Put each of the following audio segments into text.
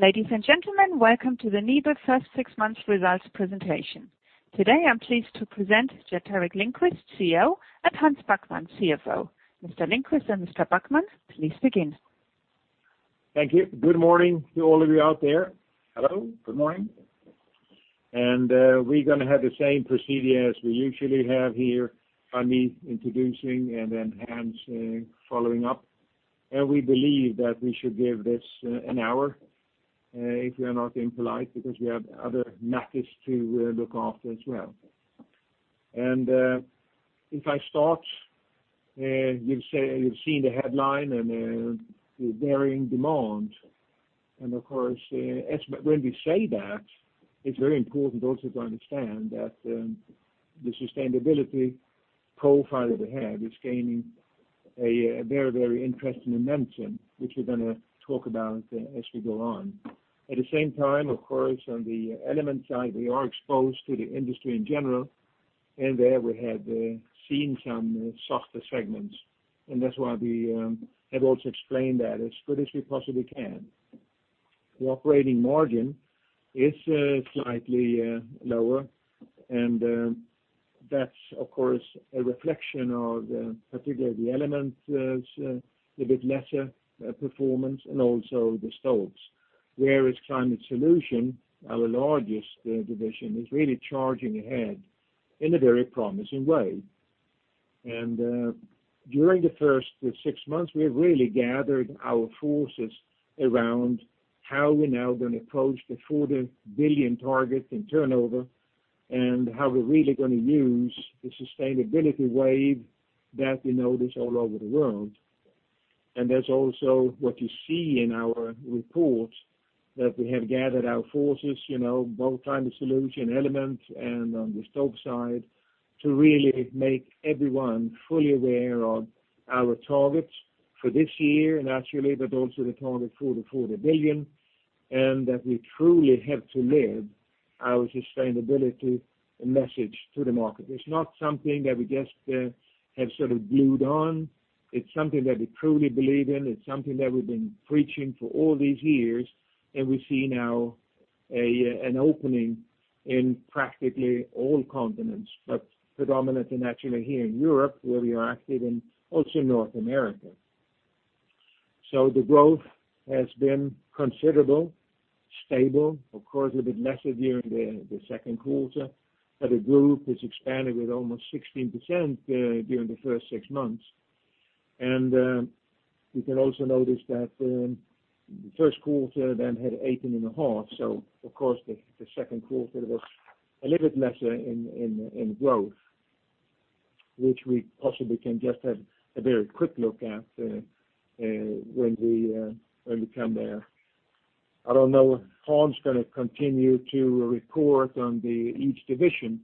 Ladies and gentlemen, welcome to the NIBE first six months results presentation. Today, I'm pleased to present Gerteric Lindquist, CEO, and Hans Backman, CFO. Mr. Lindquist and Mr. Backman, please begin. Thank you. Good morning to all of you out there. Hello, good morning. We're going to have the same procedure as we usually have here, me introducing and then Hans following up. We believe that we should give this an hour, if we are not impolite, because we have other matters to look after as well. If I start, you've seen the headline and the varying demand. Of course, when we say that, it's very important also to understand that the sustainability profile that we have is gaining a very interesting momentum, which we're going to talk about as we go on. At the same time, of course, on the element side, we are exposed to the industry in general, and there we have seen some softer segments. That's why we have also explained that as good as we possibly can. The operating margin is slightly lower. That's, of course, a reflection of the, particularly the NIBE Element, a bit lesser performance and also the NIBE Stoves. Whereas NIBE Climate Solutions, our largest division, is really charging ahead in a very promising way. During the first six months, we've really gathered our forces around how we're now going to approach the 40 billion target in turnover and how we're really going to use the sustainability wave that we notice all over the world. That's also what you see in our report, that we have gathered our forces, both NIBE Climate Solutions, NIBE Element and on the NIBE Stoves side, to really make everyone fully aware of our targets for this year, naturally, but also the target toward the 40 billion, and that we truly have to live our sustainability message to the market. It's not something that we just have sort of glued on. It's something that we truly believe in. It's something that we've been preaching for all these years, and we see now an opening in practically all continents, but predominant naturally here in Europe, where we are active, and also North America. The growth has been considerable, stable, of course, a bit lesser during the second quarter, but the group has expanded with almost 16% during the first six months. You can also notice that the first quarter then had 18.5%. Of course, the second quarter was a little bit lesser in growth, which we possibly can just have a very quick look at when we come there. I don't know if Hans going to continue to report on each division,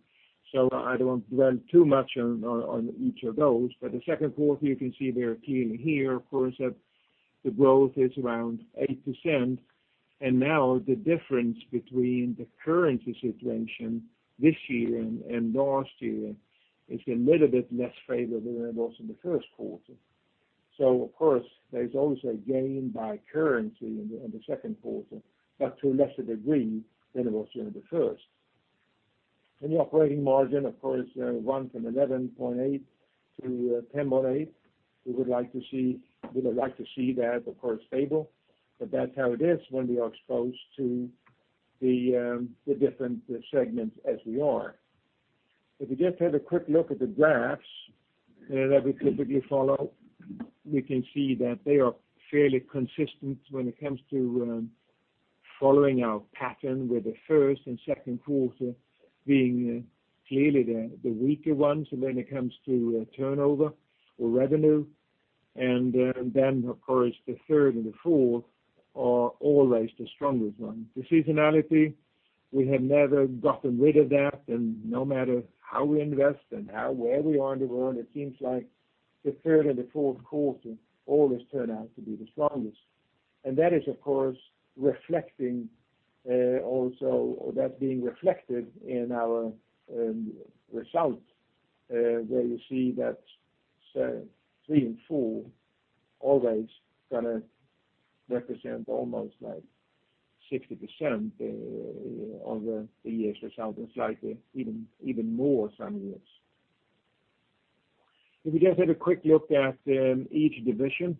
so I don't dwell too much on each of those. The second quarter, you can see very clearly here, of course, that the growth is around 8%. Now the difference between the currency situation this year and last year is a little bit less favorable than it was in the first quarter. Of course, there's always a gain by currency in the second quarter, but to a lesser degree than it was in the first. In the operating margin, of course, run from 11.8 to 10.8. We would like to see that, of course, stable, but that's how it is when we are exposed to the different segments as we are. If you just have a quick look at the graphs that we typically follow, we can see that they are fairly consistent when it comes to following our pattern with the first and second quarter being clearly the weaker ones when it comes to turnover or revenue. Then, of course, the third and the fourth are always the strongest ones. The seasonality, we have never gotten rid of that. No matter how we invest and where we are in the world, it seems like the third and the fourth quarter always turn out to be the strongest. That is, of course, reflecting also, or that's being reflected in our results, where you see that three and four always going to represent almost 60% of the year's result and slightly even more some years. If we just have a quick look at each division,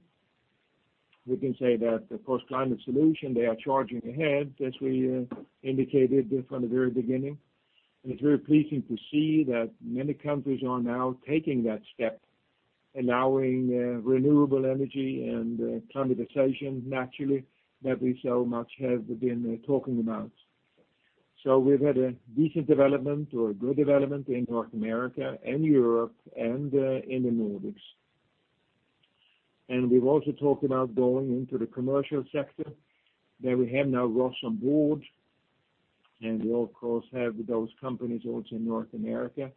we can say that, of course, Climate Solutions, they are charging ahead, as we indicated from the very beginning. It's very pleasing to see that many countries are now taking that step, allowing renewable energy and climatization, naturally, that we so much have been talking about. We've had a decent development or a good development in North America and Europe and in the Nordics. We've also talked about going into the commercial sector, where we have now Ross on board, and we, of course, have those companies also in North America.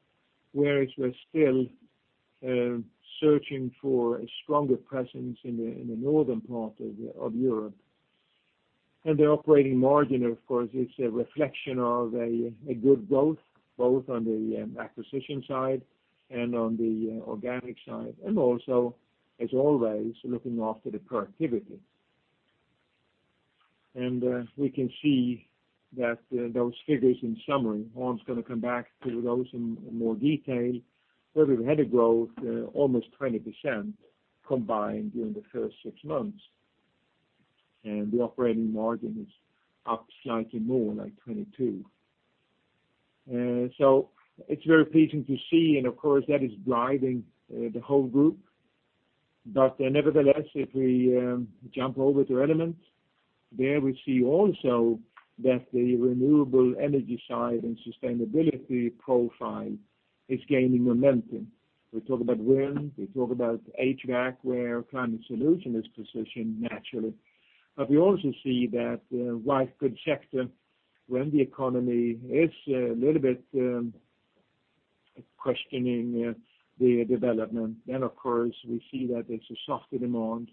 Whereas we're still searching for a stronger presence in the northern part of Europe. The operating margin, of course, it's a reflection of a good growth, both on the acquisition side and on the organic side, and also, as always, looking after the productivity. We can see those figures in summary. Hans is going to come back to those in more detail, where we've had a growth almost 20% combined during the first six months, and the operating margin is up slightly more, like 22%. It's very pleasing to see, and of course, that is driving the whole group. Nevertheless, if we jump over to Element, there we see also that the renewable energy side and sustainability profile is gaining momentum. We talk about wind, we talk about HVAC, where Climate Solutions is positioned naturally. We also see that white goods sector, when the economy is a little bit questioning the development, of course, we see that it's a softer demand.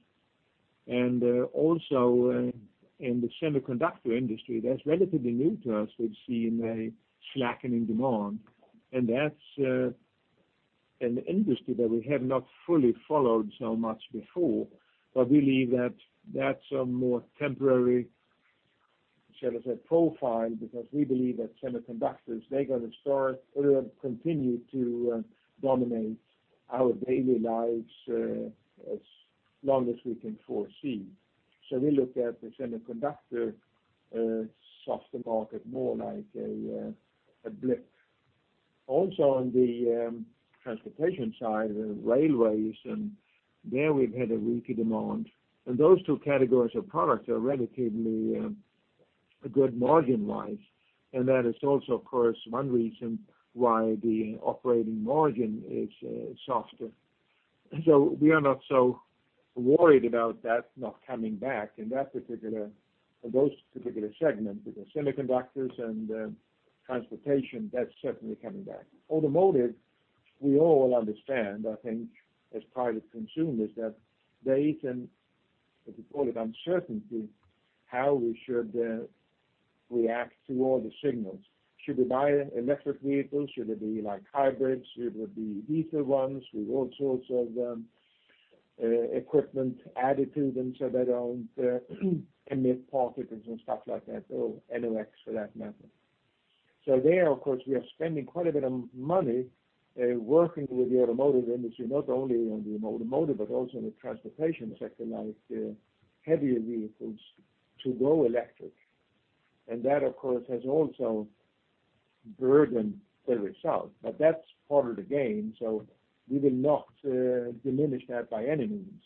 Also in the semiconductor industry, that's relatively new to us, we've seen a slackening demand, and that's an industry that we have not fully followed so much before, but we believe that that's a more temporary, shall I say, profile, because we believe that semiconductors, they're going to continue to dominate our daily lives, as long as we can foresee. We look at the semiconductor softer market more like a blip. Also on the transportation side, railways, and there we've had a weaker demand. Those two categories of products are relatively good margin-wise, and that is also, of course, one reason why the operating margin is softer. We are not so worried about that not coming back in those particular segments, because semiconductors and transportation, that's certainly coming back. Automotive, we all understand, I think, as private consumers, that there is an, if you call it, uncertainty how we should react to all the signals. Should we buy electric vehicles? Should it be hybrids? Should it be diesel ones with all sorts of equipment added to them so they don't emit particles and stuff like that, or NOx for that matter. There, of course, we are spending quite a bit of money working with the automotive industry, not only on the automotive but also in the transportation sector, like heavier vehicles to go electric. That, of course, has also burdened the result. That's part of the game, so we will not diminish that by any means.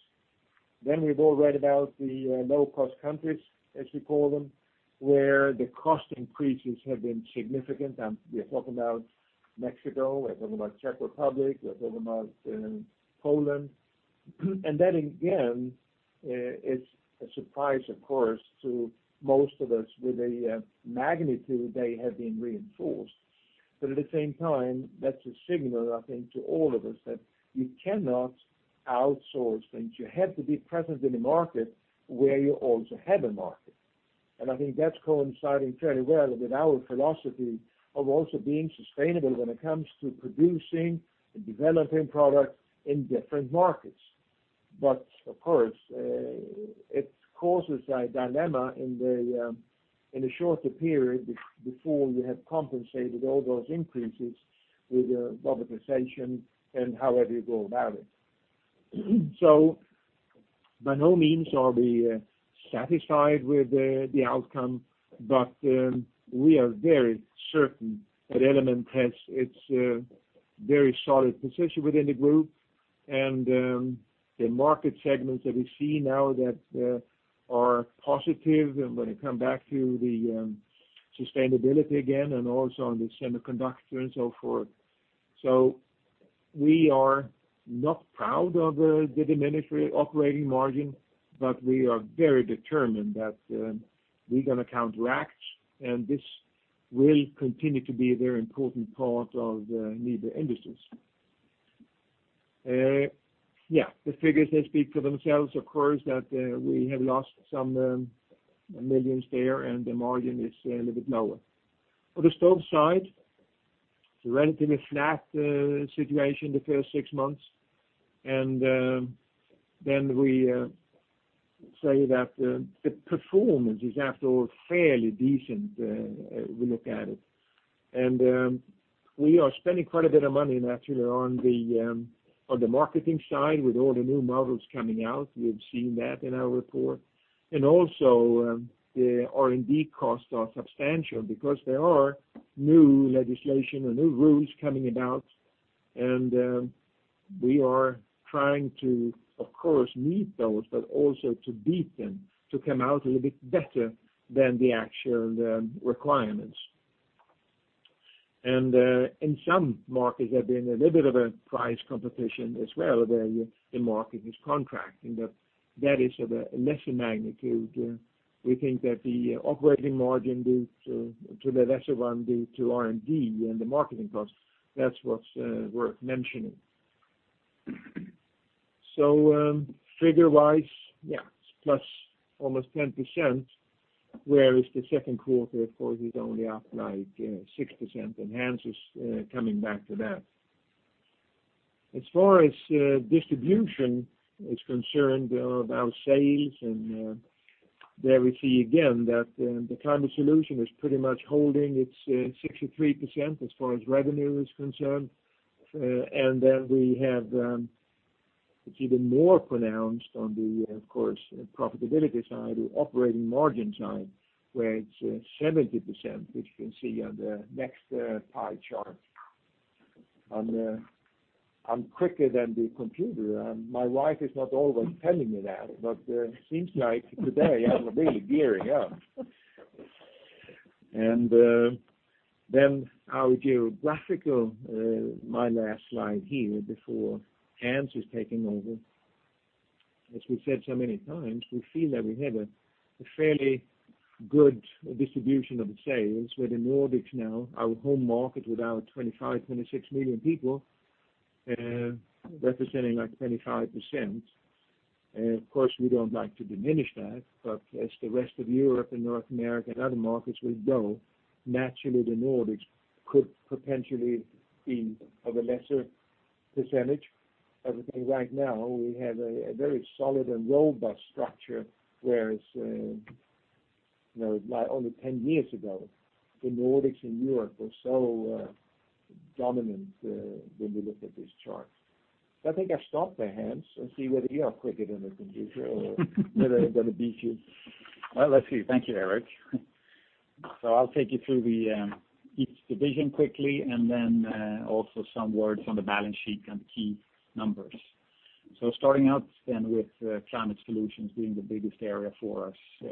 We've all read about the low-cost countries, as we call them, where the cost increases have been significant. We're talking about Mexico, we're talking about Czech Republic, we're talking about Poland. That, again, is a surprise, of course, to most of us with the magnitude they have been reinforced. At the same time, that's a signal, I think, to all of us that you cannot outsource things. You have to be present in the market where you also have a market. I think that's coinciding fairly well with our philosophy of also being sustainable when it comes to producing and developing products in different markets. Of course, it causes a dilemma in the shorter period before you have compensated all those increases with robotization and however you go about it. By no means are we satisfied with the outcome, but we are very certain that Element has its very solid position within the group and the market segments that we see now that are positive, and when it come back to the sustainability again and also on the semiconductor and so forth. We are not proud of the diminished operating margin, but we are very determined that we're going to counteract, and this will continue to be a very important part of NIBE Industrier. The figures, they speak for themselves, of course, that we have lost some millions there, and the margin is a little bit lower. On the Stoves side, it's a relatively flat situation the first six months, and then we say that the performance is after all fairly decent, we look at it. We are spending quite a bit of money, naturally, on the marketing side with all the new models coming out. We have seen that in our report. Also, the R&D costs are substantial because there are new legislation and new rules coming about, and we are trying to, of course, meet those, but also to beat them, to come out a little bit better than the actual requirements. In some markets, there have been a little bit of a price competition as well, where the market is contracting, but that is of a lesser magnitude. We think that the operating margin due to the lesser one due to R&D and the marketing costs, that's what's worth mentioning. Figure-wise, it's plus almost 10%, whereas the second quarter, of course, is only up like 6%, and Hans is coming back to that. As far as distribution is concerned of our sales, there we see again that the NIBE Climate Solutions is pretty much holding its 63% as far as revenue is concerned. It's even more pronounced on the, of course, profitability side, the operating margin side, where it's 70%, which you can see on the next pie chart. I'm quicker than the computer. My wife is not always telling me that, seems like today I'm really gearing up. Our geographical, my last slide here before Hans is taking over. As we've said so many times, we feel that we have a fairly good distribution of the sales with the Nordics now, our home market with our 25, 26 million people, representing like 25%. Of course, we don't like to diminish that, but as the rest of Europe and North America and other markets will grow, naturally the Nordics could potentially be of a lesser percentage. I think right now, we have a very solid and robust structure, whereas only 10 years ago, the Nordics and Europe were so dominant when we look at this chart. I think I stop there, Hans, and see whether you are quicker than the computer or whether I'm going to beat you. Well, let's see. Thank you, Gerteric. I'll take you through each division quickly, and then also some words on the balance sheet and key numbers. Starting out then with NIBE Climate Solutions being the biggest area for us.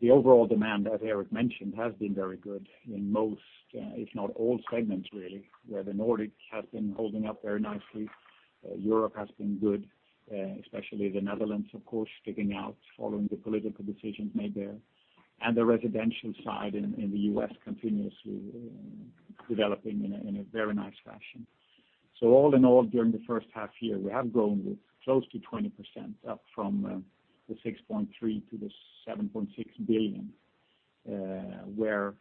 The overall demand, as Gerteric mentioned, has been very good in most, if not all segments really, where the Nordics has been holding up very nicely. Europe has been good, especially the Netherlands, of course, sticking out following the political decisions made there. The residential side in the U.S. continuously developing in a very nice fashion. All in all, during the first half year, we have grown close to 20% up from the 6.3 to the 7.6 billion, where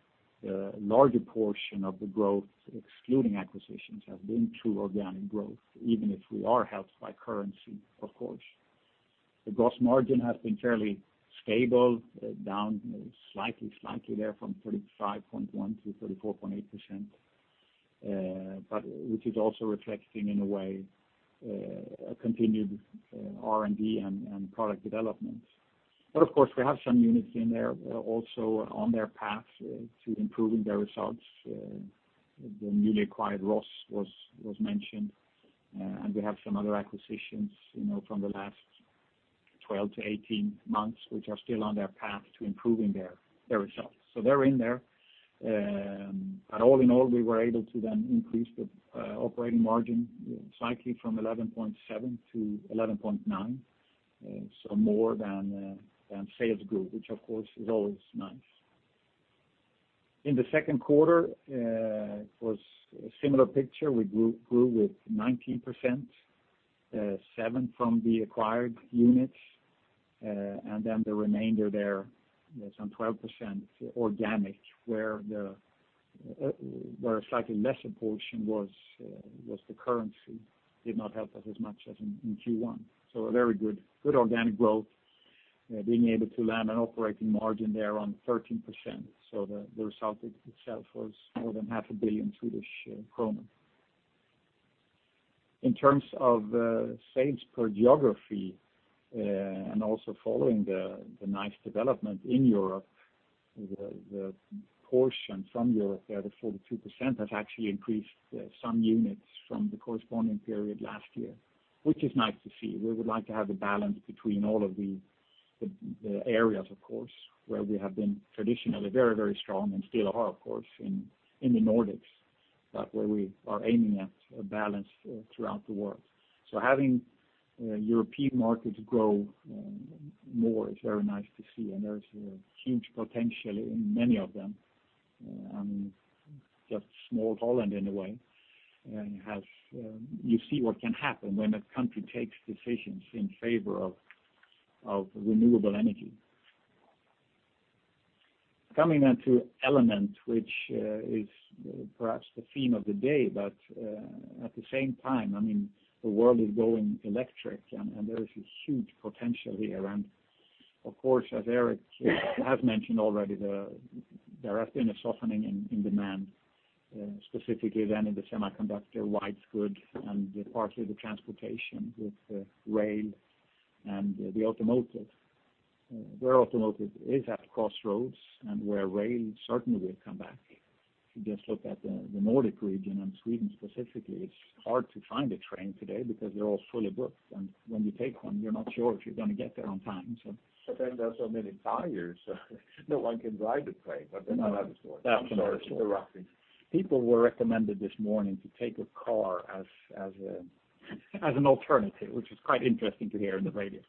larger portion of the growth, excluding acquisitions, has been through organic growth, even if we are helped by currency, of course. The gross margin has been fairly stable, down slightly there from 35.1% to 34.8%, which is also reflecting in a way a continued R&D and product development. Of course, we have some units in there also on their path to improving their results. The newly acquired Ross was mentioned, and we have some other acquisitions from the last 12-18 months, which are still on their path to improving their results. They're in there. All in all, we were able to then increase the operating margin slightly from 11.7%-11.9%. More than sales grew, which of course is always nice. In the second quarter, it was a similar picture. We grew with 19%, seven from the acquired units, and then the remainder there, some 12% organic, where a slightly lesser portion was the currency did not help us as much as in Q1. A very good organic growth, being able to land an operating margin there on 13%. The result itself was more than half a billion SEK. In terms of sales per geography, also following the nice development in Europe, the portion from Europe there, the 42%, has actually increased some units from the corresponding period last year, which is nice to see. We would like to have a balance between all of the areas, of course, where we have been traditionally very strong and still are, of course, in the Nordics, but where we are aiming at a balance throughout the world. Having European markets grow more is very nice to see, and there's huge potential in many of them. Just small Holland in a way, you see what can happen when a country takes decisions in favor of renewable energy. Coming on to NIBE Element, which is perhaps the theme of the day. At the same time, the world is going electric, there is a huge potential here. Of course, as Gerteric has mentioned already, there has been a softening in demand, specifically then in the semiconductor white goods and partly the transportation with rail and the automotive, where automotive is at a crossroads and where rail certainly will come back. If you just look at the Nordic region and Sweden specifically, it's hard to find a train today because they're all fully booked. When you take one, you're not sure if you're going to get there on time. There are so many flyers, so no one can ride the train. Another story. That's another story. Sorry for interrupting. People were recommended this morning to take a car as an alternative, which was quite interesting to hear on the radio.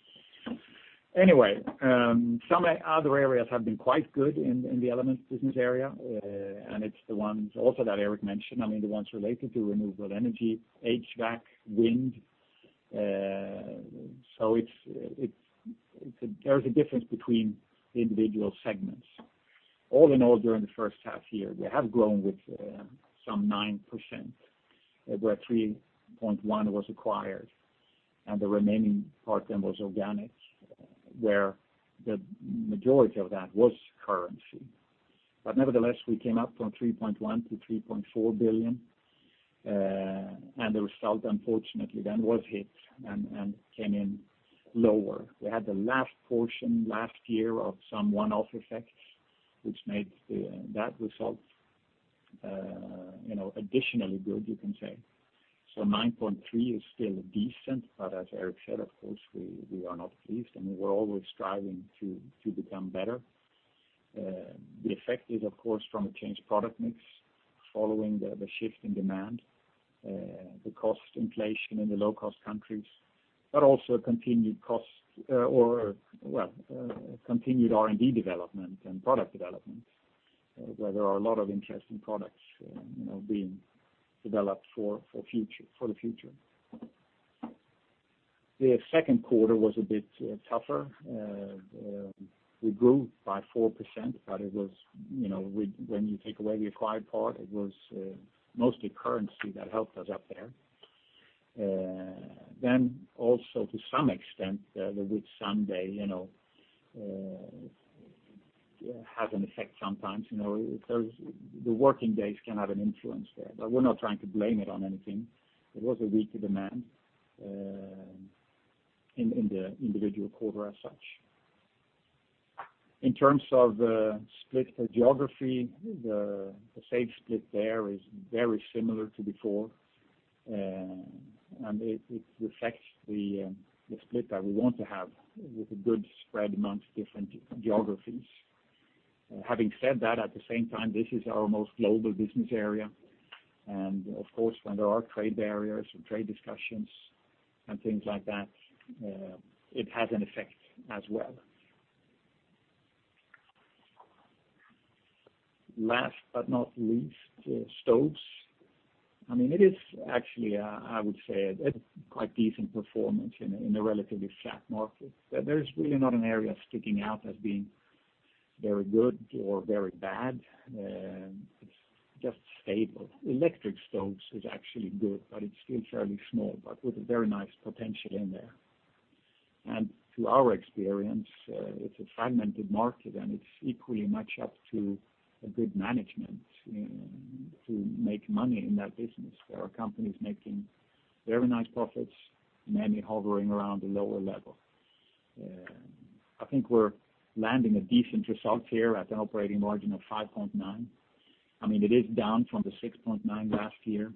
Some other areas have been quite good in the NIBE Element business area, and it's the ones also that Gerteric mentioned. I mean, the ones related to renewable energy, HVAC, wind. There is a difference between individual segments. All in all, during the first half year, we have grown with some 9%, where 3.1 was acquired, and the remaining part then was organic, where the majority of that was currency. Nevertheless, we came up from 3.1 billion to 3.4 billion, and the result, unfortunately, then was hit and came in lower. We had the last portion last year of some one-off effects, which made that result additionally good, you can say. 9.3 is still decent, but as Gerteric said, of course, we are not pleased, and we're always striving to become better. The effect is, of course, from a changed product mix following the shift in demand, the cost inflation in the low-cost countries, but also continued R&D development and product development, where there are a lot of interesting products being developed for the future. The second quarter was a bit tougher. We grew by 4%, but when you take away the acquired part, it was mostly currency that helped us up there. Also, to some extent, the [week Sunday] has an effect sometimes. The working days can have an influence there. We're not trying to blame it on anything. It was a weaker demand in the individual quarter as such. In terms of the split by geography, the safe split there is very similar to before, and it reflects the split that we want to have with a good spread amongst different geographies. Having said that, at the same time, this is our most global business area, and of course, when there are trade barriers and trade discussions and things like that, it has an effect as well. Last but not least, stoves. It is actually, I would say, a quite decent performance in a relatively flat market. There is really not an area sticking out as being very good or very bad. It's just stable. Electric stoves is actually good, but it's still fairly small, but with a very nice potential in there. To our experience, it's a fragmented market, and it's equally much up to a good management to make money in that business. There are companies making very nice profits, many hovering around a lower level. I think we're landing a decent result here at an operating margin of 5.9%. It is down from the 6.9% last year,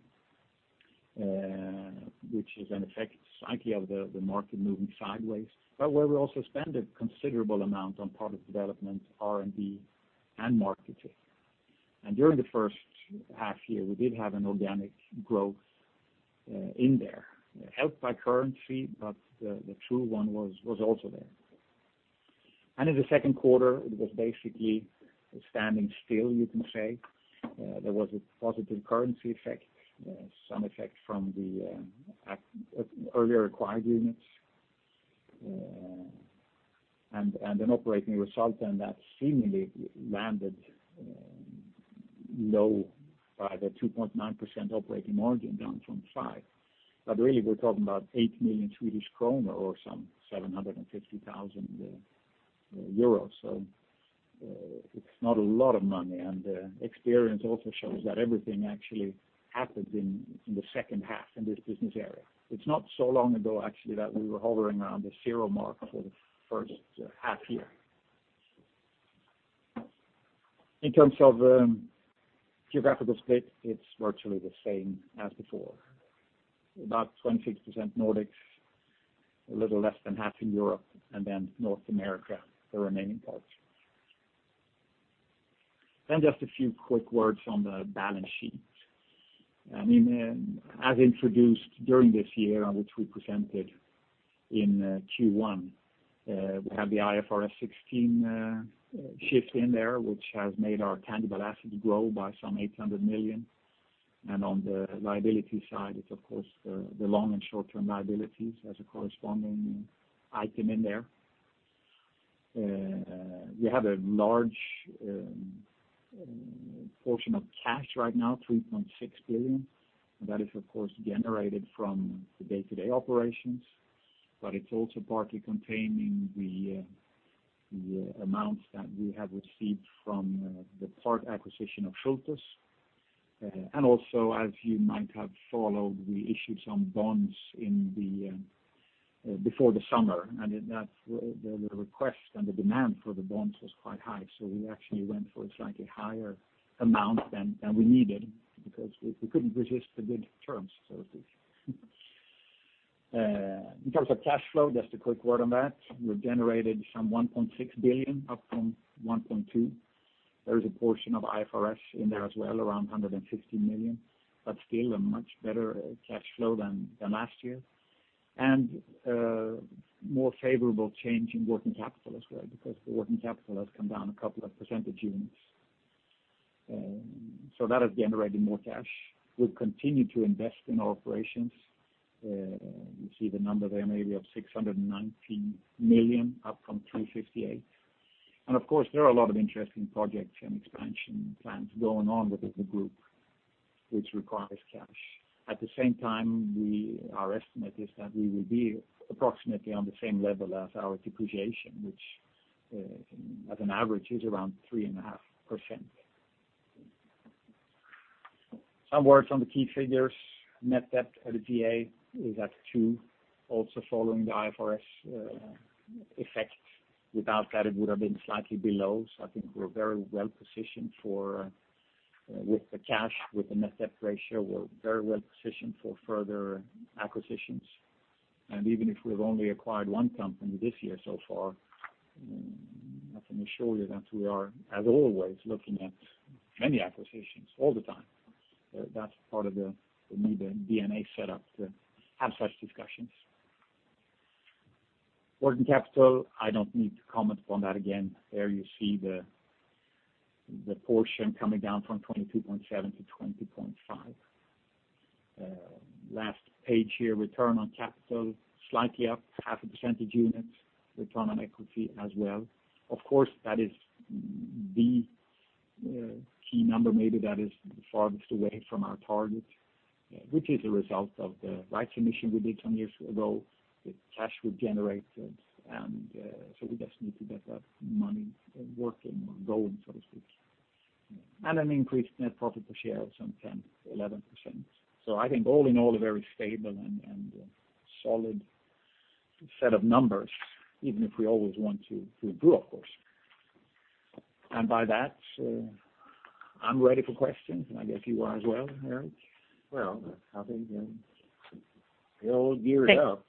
which is an effect slightly of the market moving sideways, but where we also spend a considerable amount on product development, R&D, and marketing. During the first half year, we did have an organic growth in there, helped by currency, but the true one was also there. In the second quarter, it was basically standing still, you can say. There was a positive currency effect, some effect from the earlier acquired units, and an operating result, and that seemingly landed low by the 2.9% operating margin down from 5%. Really, we're talking about 8 million Swedish kronor or some 750,000 euros. It's not a lot of money, and the experience also shows that everything actually happens in the second half in this business area. It's not so long ago, actually, that we were hovering around the zero mark for the first half year. In terms of geographical split, it's virtually the same as before. About 26% Nordics, a little less than half in Europe, and then North America, the remaining parts. Just a few quick words on the balance sheet. As introduced during this year, which we presented in Q1, we have the IFRS 16 shift in there, which has made our tangible assets grow by some 800 million. On the liability side, it's of course the long- and short-term liabilities as a corresponding item in there. We have a large portion of cash right now, 3.6 billion. That is, of course, generated from the day-to-day operations, it's also partly containing the amounts that we have received from the part acquisition of Schulthess. Also, as you might have followed, we issued some bonds before the summer, the request and the demand for the bonds was quite high. We actually went for a slightly higher amount than we needed because we couldn't resist the good terms, so to speak. In terms of cash flow, just a quick word on that. We generated some 1.6 billion, up from 1.2. There is a portion of IFRS in there as well, around 150 million. Still a much better cash flow than last year. More favorable change in working capital as well, because the working capital has come down a couple of percentage units. That is generating more cash. We'll continue to invest in our operations. You see the number there, maybe of 690 million up from 358 million. Of course, there are a lot of interesting projects and expansion plans going on within the group, which requires cash. At the same time, our estimate is that we will be approximately on the same level as our depreciation, which, as an average, is around 3.5%. Some words on the key figures. Net debt EBITDA is at 2, also following the IFRS effect. Without that, it would have been slightly below. I think we're very well-positioned with the cash. With the net debt ratio, we're very well-positioned for further acquisitions. Even if we've only acquired one company this year so far, I can assure you that we are, as always, looking at many acquisitions all the time. That's part of the NIBE DNA set up to have such discussions. Working capital, I don't need to comment on that again. There you see the portion coming down from 22.7 to 20.5. Last page here, return on capital, slightly up half a percentage unit. Return on equity as well. Of course, that is the key number, maybe that is farthest away from our target, which is a result of the rights issue we did some years ago. The cash we've generated, we just need to get that money working or going, so to speak. An increased net profit per share of some 10, 11%. I think all in all, a very stable and solid set of numbers, even if we always want to improve, of course. By that, I'm ready for questions, and I guess you are as well, Gerteric. Well, I think I'm all geared up.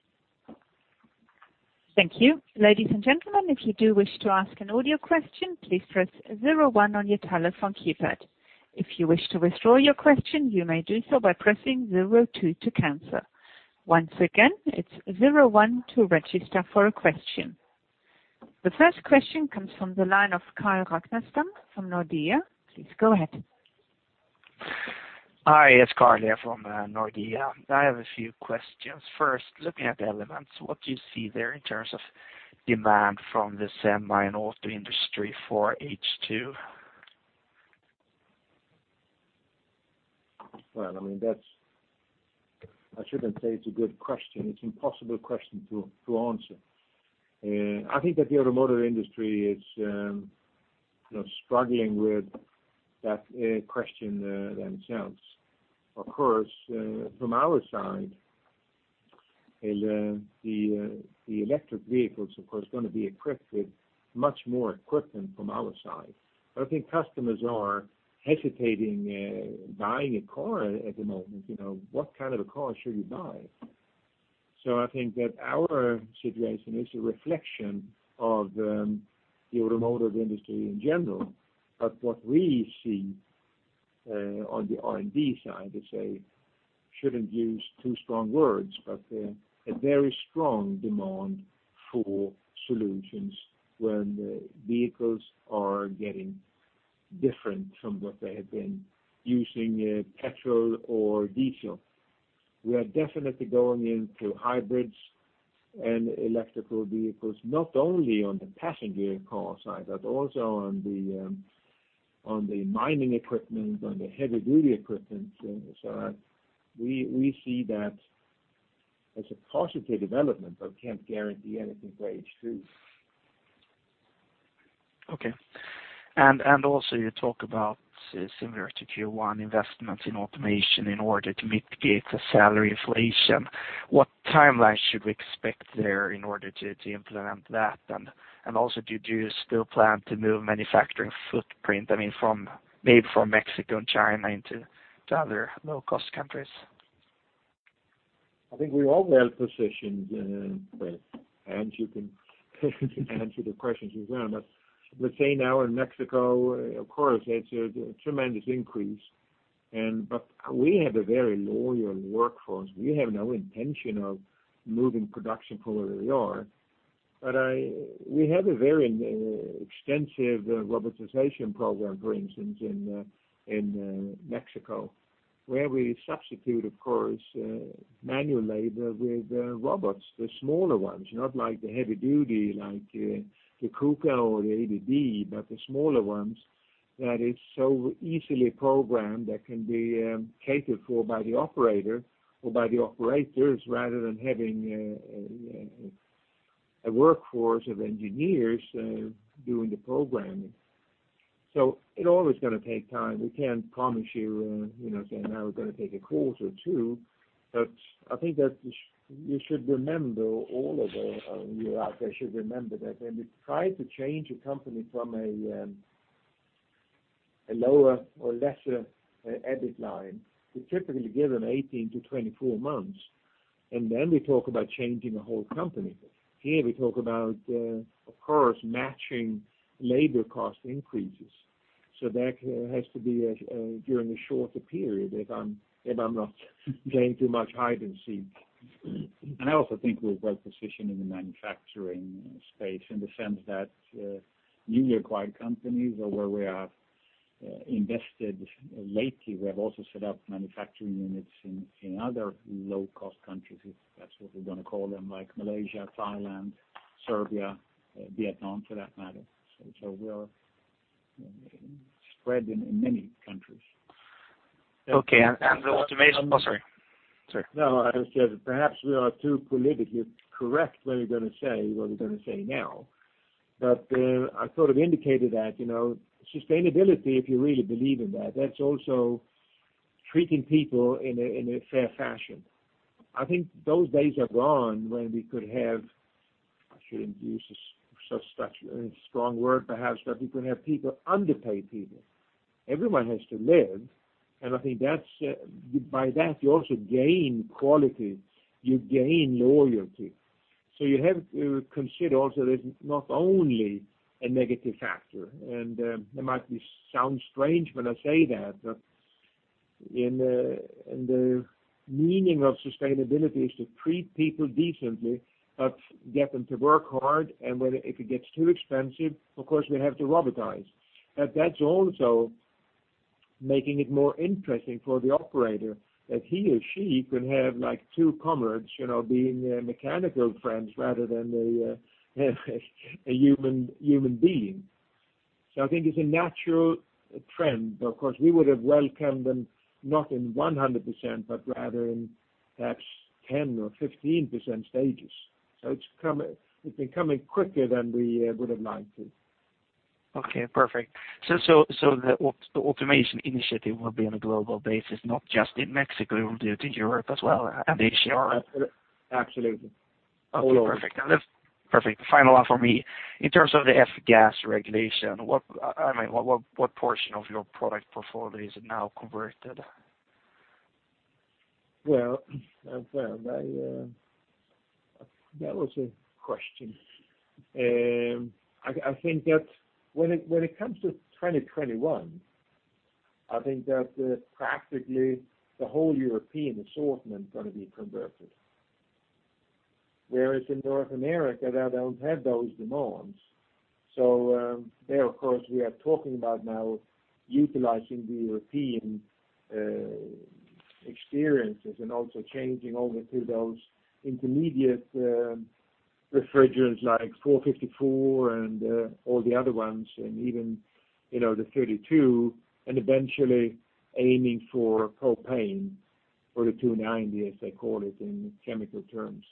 Thank you. Ladies and gentlemen, if you do wish to ask an audio question, please press zero one on your telephone keypad. If you wish to withdraw your question, you may do so by pressing zero two to cancel. Once again, it's zero one to register for a question. The first question comes from the line of Carl Ragnerstam from Nordea. Please go ahead. Hi, it's Carl here from Nordea. I have a few questions. First, looking at NIBE Element, what do you see there in terms of demand from the semi and auto industry for H2? Well, I shouldn't say it's a good question. It's an impossible question to answer. I think that the automotive industry is struggling with that question themselves. From our side, the electric vehicles, of course, are going to be equipped with much more equipment from our side. I think customers are hesitating buying a car at the moment. What kind of a car should you buy? I think that our situation is a reflection of the automotive industry in general. What we see on the R&D side, I shouldn't use too strong words, but a very strong demand for solutions when vehicles are getting different from what they have been using, petrol or diesel. We are definitely going into hybrids and electrical vehicles, not only on the passenger car side, but also on the mining equipment, on the heavy-duty equipment side. We see that as a positive development, but can't guarantee anything for H2. Okay. Also you talk about similar to Q1 investments in automation in order to mitigate the salary inflation. What timeline should we expect there in order to implement that? Also, do you still plan to move manufacturing footprint, maybe from Mexico and China into other low-cost countries? I think we are well positioned. You can answer the questions as well. Let's say now in Mexico, of course, it's a tremendous increase. We have a very loyal workforce. We have no intention of moving production from where we are. We have a very extensive robotization program, for instance, in Mexico, where we substitute, of course, manual labor with robots. The smaller ones, not like the heavy duty like the KUKA or the ABB, but the smaller ones that is so easily programmed, that can be catered for by the operator or by the operators, rather than having a workforce of engineers doing the programming. It always going to take time. We can't promise you, saying, "Now we're going to take a quarter or two." I think that you should remember, all of you out there should remember that when you try to change a company from a lower or lesser EBITDA line, we typically give them 18 to 24 months. Then we talk about changing a whole company. Here we talk about, of course, matching labor cost increases. That has to be during a shorter period, if I'm not playing too much hide and seek. I also think we're well-positioned in the manufacturing space in the sense that newly acquired companies or where we have invested lately, we have also set up manufacturing units in other low-cost countries, if that's what we're going to call them, like Malaysia, Thailand, Serbia, Vietnam, for that matter. We are spread in many countries. Okay. The automation. Oh, sorry. No, I would say that perhaps we are too politically correct when we're going to say what we're going to say now. I sort of indicated that sustainability, if you really believe in that's also treating people in a fair fashion. I think those days are gone when we could have, I shouldn't use such a strong word, perhaps, but we could have people underpay people. Everyone has to live. I think by that, you also gain quality, you gain loyalty. You have to consider also there's not only a negative factor, and it might sound strange when I say that, but in the meaning of sustainability is to treat people decently, but get them to work hard, and if it gets too expensive, of course, we have to robotize. That's also making it more interesting for the operator that he or she could have two comrades, being mechanical friends rather than a human being. I think it's a natural trend. Of course, we would have welcomed them not in 100%, but rather in perhaps 10% or 15% stages. It's been coming quicker than we would have liked it. Okay, perfect. The automation initiative will be on a global basis, not just in Mexico, it will do to Europe as well, and Asia? Absolutely. All over. Okay, perfect. Final one for me. In terms of the F-Gas Regulation, what portion of your product portfolio is now converted? Well, that was a question. I think that when it comes to 2021, I think that practically the whole European assortment is going to be converted. Whereas in North America, they don't have those demands. There, of course, we are talking about now utilizing the European experiences and also changing over to those intermediate refrigerants like R-454B and all the other ones, and even the R-32, and eventually aiming for propane, or the R-290, as they call it in chemical terms.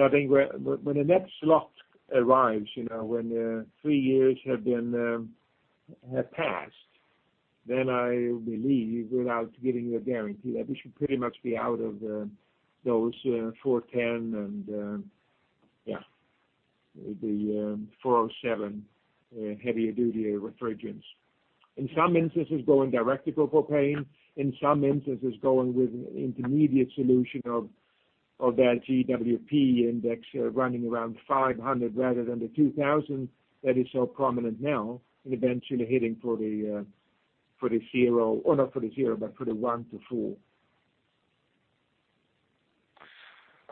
I think when the next lot arrives, when the three years have passed, then I believe, without giving you a guarantee, that we should pretty much be out of those R-410A and the R-407C heavier duty refrigerants. In some instances, going directly for Propane, in some instances, going with an intermediate solution of that GWP index running around 500 rather than the 2,000 that is so prominent now, and eventually heading for the zero. Not for the zero, but for the one to four.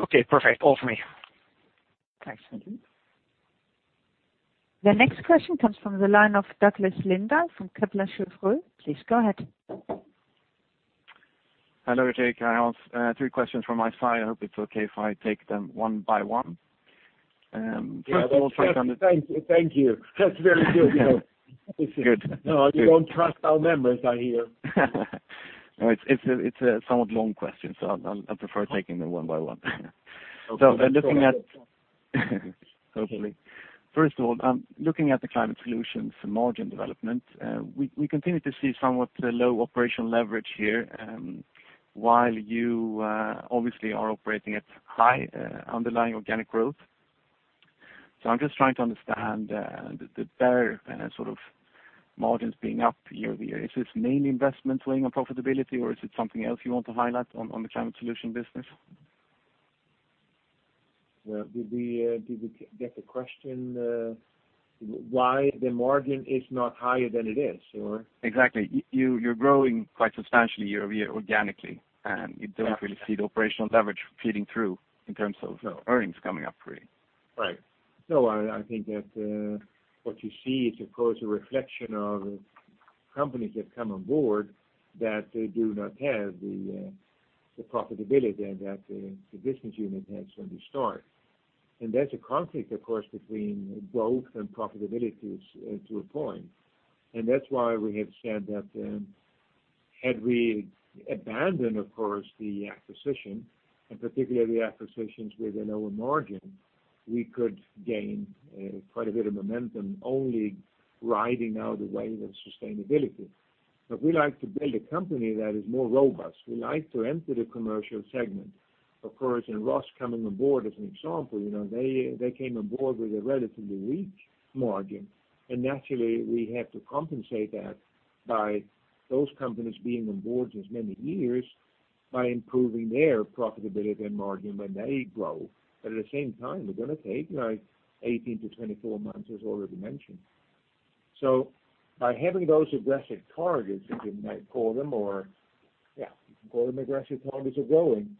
Okay, perfect. All from me. Thanks. The next question comes from the line of Douglas Linder from Kepler Cheuvreux. Please go ahead. Hello, Jake. I have three questions from my side. I hope it's okay if I take them one by one. Thank you. That's very good. Good. You don't trust our members, I hear. No, it's a somewhat long question, so I prefer taking them one by one. Okay. Hopefully. First of all, looking at the Climate Solutions margin development, we continue to see somewhat low operational leverage here, while you obviously are operating at high underlying organic growth. I'm just trying to understand the bear sort of margins being up year-over-year. Is this mainly investment weighing on profitability, or is it something else you want to highlight on the Climate Solutions business? Did we get the question why the margin is not higher than it is? Exactly. You're growing quite substantially year-over-year organically, and you don't really see the operational leverage feeding through in terms of earnings coming up really. Right. No, I think that what you see is, of course, a reflection of companies that come on board that do not have the profitability that the business unit has from the start. That's a conflict, of course, between growth and profitability to a point. That's why we have said that had we abandoned, of course, the acquisition, and particularly the acquisitions with a lower margin, we could gain quite a bit of momentum only riding out the wave of sustainability. We like to build a company that is more robust. We like to enter the commercial segment. Of course, Ross coming on board as an example, they came on board with a relatively weak margin. Naturally, we have to compensate that By those companies being on board as many years, by improving their profitability and margin when they grow. At the same time, they're going to take 18-24 months, as already mentioned. By having those aggressive targets, you might call them, or you can call them aggressive targets of growing.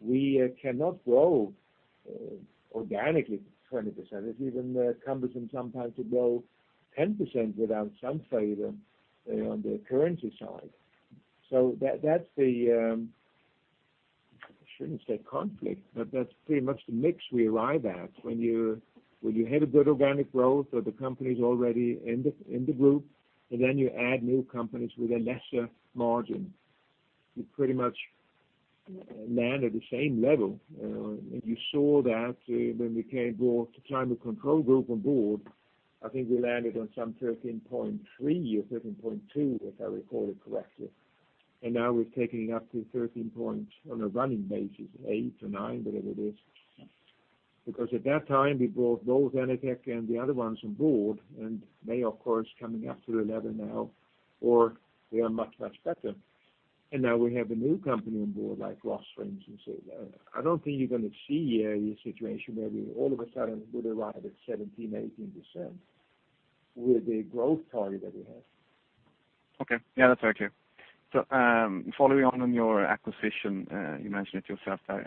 We cannot grow organically 20%. It's even cumbersome sometimes to grow 10% without some favor on the currency side. That's the, I shouldn't say conflict, but that's pretty much the mix we arrive at when you have a good organic growth or the company's already in the group, and then you add new companies with a lesser margin. You pretty much land at the same level. You saw that when we brought the Climate Control Group on board. I think we landed on some 13.3% or 13.2%, if I recall it correctly. Now we're taking it up to 13 points on a running basis, 8%-9%, whatever it is. At that time, we brought both Enertech and the other ones on board. They, of course, coming up to 11% now or they are much, much better. Now we have a new company on board, like Ross and so on. I don't think you're going to see a situation where we all of a sudden would arrive at 17%-18% with the growth target that we have. Okay. Yeah, that's very clear. Following on your acquisition, you mentioned it yourself that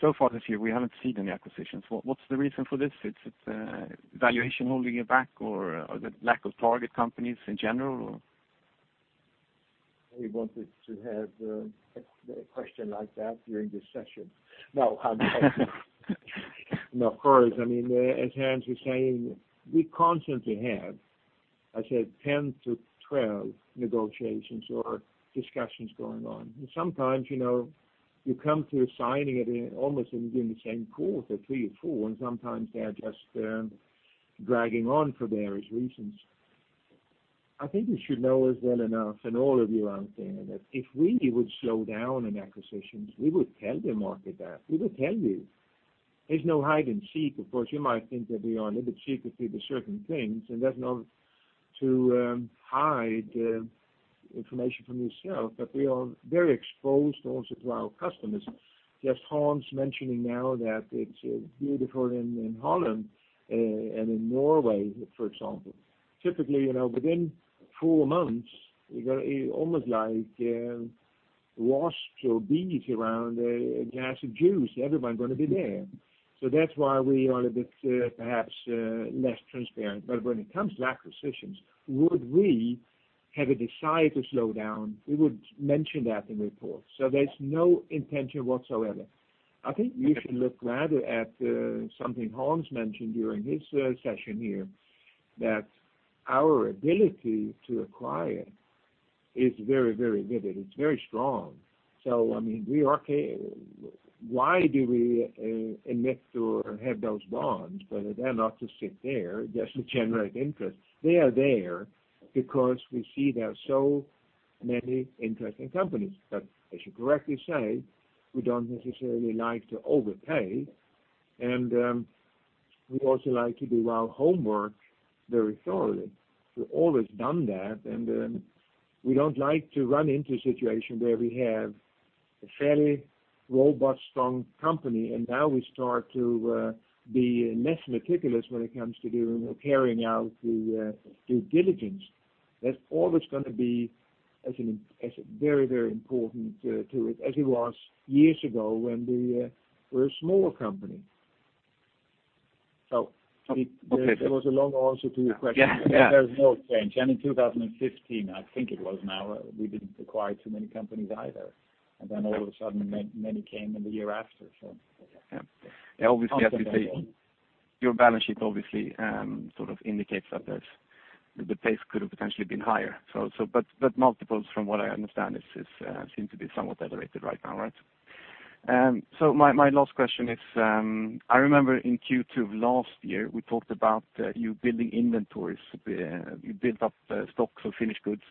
so far this year, we haven't seen any acquisitions. What's the reason for this? Is it valuation holding you back, or is it lack of target companies in general? We wanted to have a question like that during this session. No, of course. As Hans was saying, we constantly have, I said 10 to 12 negotiations or discussions going on. Sometimes, you come to signing it almost in the same quarter, three or four, and sometimes they are just dragging on for various reasons. I think you should know us well enough, and all of you out there, that if we would slow down in acquisitions, we would tell the market that. We will tell you. There's no hide and seek. Of course, you might think that we are a little bit secretive with certain things, and that's not to hide information from yourself, but we are very exposed also to our customers. Just Hans mentioning now that it's beautiful in Holland and in Norway, for example. Typically, within four months, almost like wasps or bees around a glass of juice, everyone going to be there. That's why we are a bit perhaps less transparent. When it comes to acquisitions, would we have a desire to slow down? We would mention that in reports. There's no intention whatsoever. I think you should look rather at something Hans mentioned during his session here, that our ability to acquire is very good and it's very strong. Why do we emit or have those bonds? Well, they're not to sit there just to generate interest. They are there because we see there are so many interesting companies. As you correctly say, we don't necessarily like to overpay, and we also like to do our homework very thoroughly. We've always done that. We don't like to run into a situation where we have a fairly robust, strong company and now we start to be less meticulous when it comes to doing or carrying out the due diligence. That's always going to be very, very important to it, as it was years ago when we were a smaller company. It was a long answer to your question. Yeah. There's no change. In 2015, I think it was now, we didn't acquire too many companies either. All of a sudden many came in the year after. Yeah. Constantly evolving Your balance sheet obviously sort of indicates that the pace could have potentially been higher. Multiples, from what I understand, seem to be somewhat elevated right now, right? My last question is, I remember in Q2 of last year, we talked about you building inventories. You built up stocks of finished goods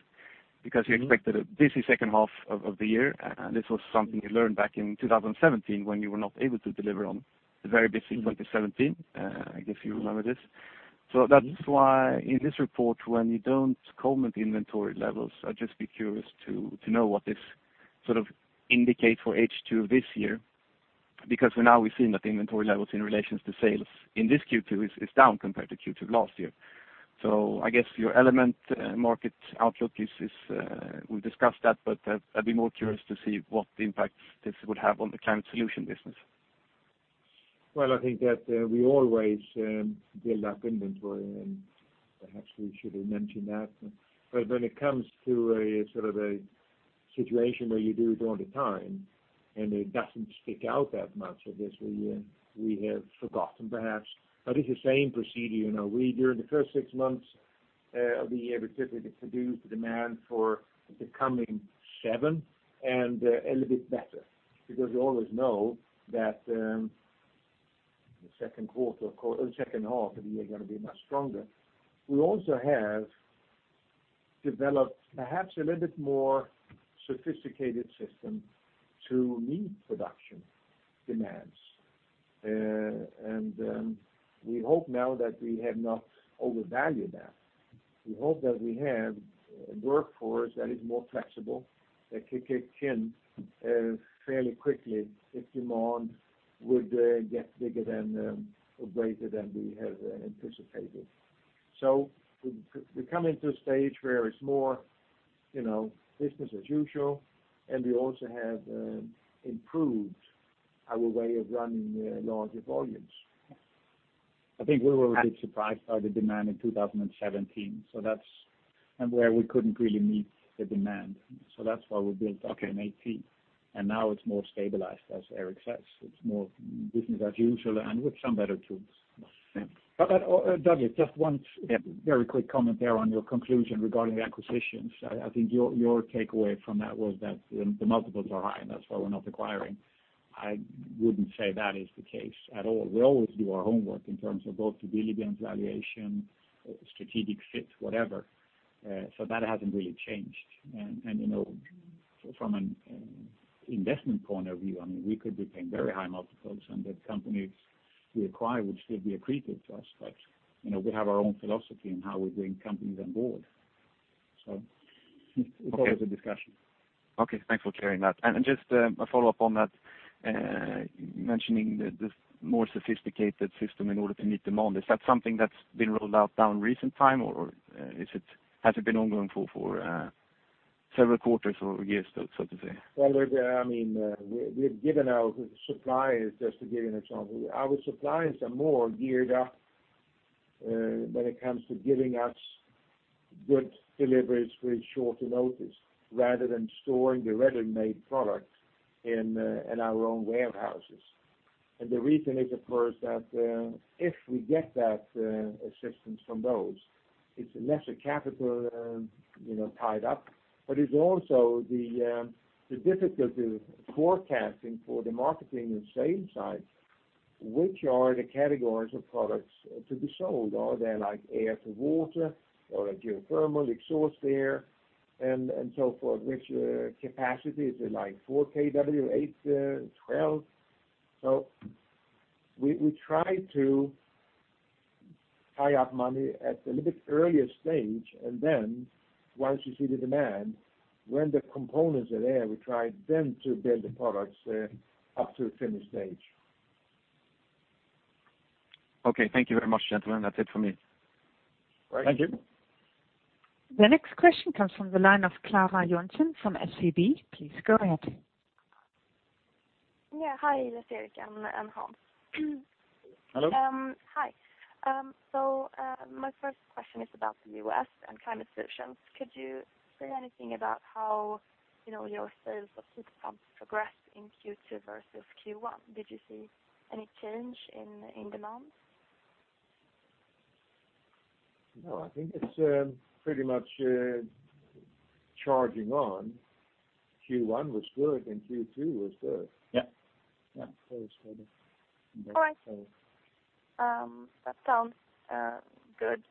because you expected a busy second half of the year. This was something you learned back in 2017 when you were not able to deliver on the very busy Q2 2017. I guess you remember this. That's why in this report, when you don't comment the inventory levels, I'd just be curious to know what this sort of indicates for H2 of this year. For now, we've seen that the inventory levels in relations to sales in this Q2 is down compared to Q2 of last year. I guess your Element market outlook, we'll discuss that, but I'd be more curious to see what impact this would have on the Climate Solutions business. Well, I think that we always build up inventory, and perhaps we should have mentioned that. When it comes to a situation where you do it all the time and it doesn't stick out that much, I guess we have forgotten perhaps. It's the same procedure. We, during the first six months of the year, we typically produce the demand for the coming seven and a little bit better because we always know that the second quarter, second half of the year going to be much stronger. We also have developed perhaps a little bit more sophisticated system to meet production demands. We hope now that we have not overvalued that. We hope that we have a workforce that is more flexible, that can kick in fairly quickly if demand would get bigger or greater than we had anticipated. We're coming to a stage where it's more business as usual, and we also have improved our way of running larger volumes. I think we were a bit surprised by the demand in 2017. That's where we couldn't really meet the demand. That's why we built up in 2018, and now it's more stabilized, as Erik says. It's more business as usual and with some better tools. Yes. Douglas, just one very quick comment there on your conclusion regarding the acquisitions. I think your takeaway from that was that the multiples are high, and that's why we're not acquiring. I wouldn't say that is the case at all. We always do our homework in terms of both due diligence, valuation, strategic fit, whatever. That hasn't really changed. From an investment point of view, we could be paying very high multiples, and the companies we acquire would still be accretive to us. We have our own philosophy in how we bring companies on board. It's always a discussion. Okay. Thanks for clearing that. Just a follow-up on that, mentioning the more sophisticated system in order to meet demand. Is that something that's been rolled out now in recent time, or has it been ongoing for several quarters or years, so to say? Well, we've given our suppliers, just to give you an example. Our suppliers are more geared up when it comes to giving us good deliveries with short notice rather than storing the ready-made product in our own warehouses. The reason is, of course, that if we get that assistance from those, it's lesser capital tied up. It's also the difficulty of forecasting for the marketing and sales side, which are the categories of products to be sold. Are they air to water, or geothermal exhaust air, and so forth, which capacity, is it 4 kW, 8, 12? We try to tie up money at a little bit earlier stage, and then once you see the demand, when the components are there, we try then to build the products up to a finished stage. Okay. Thank you very much, gentlemen. That's it from me. Right. Thank you. The next question comes from the line of Clara Jonsson from SEB. Please go ahead. Yeah. Hi, Erik and Hans. Hello. Hi. My first question is about the U.S. and NIBE Climate Solutions. Could you say anything about how your sales of heat pumps progressed in Q2 versus Q1? Did you see any change in demand? No, I think it's pretty much charging on. Q1 was good and Q2 was good. Yeah. Yeah. It's good. All right. That sounds good.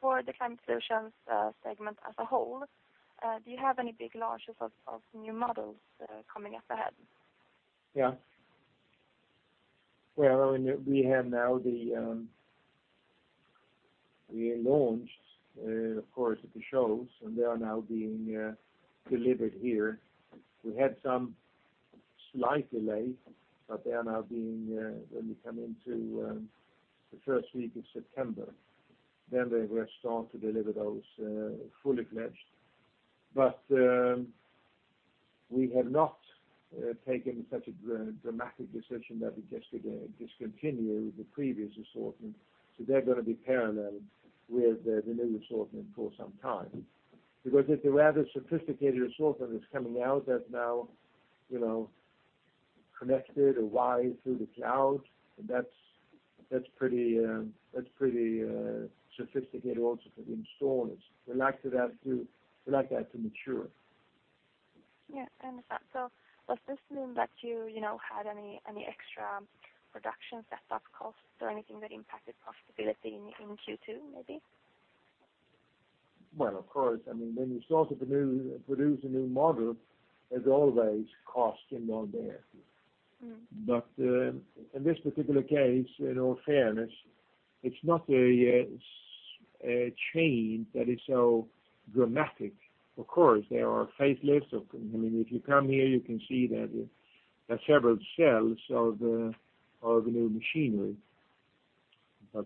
For the Climate Solutions segment as a whole, do you have any big launches of new models coming up ahead? Well, we have now launched, of course, at the shows. They are now being delivered here. We had some slight delay. They are now being, when we come into the first week of September, we will start to deliver those fully fledged. We have not taken such a dramatic decision that we discontinue the previous assortment. They're going to be paralleled with the new assortment for some time. It's a rather sophisticated assortment that's coming out that now connected or wired through the cloud. That's pretty sophisticated also for the installers. We'd like that to mature. Yeah. Understand. Does this mean that you had any extra production set up costs or anything that impacted profitability in Q2 maybe? Well, of course, when you start to produce a new model, there's always cost in all there. In this particular case, in all fairness, it's not a change that is so dramatic. Of course, there are facelifts. If you come here, you can see that there are several shelves of the new machinery.